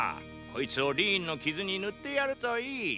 こいつをリーンの傷に塗ってやるといい。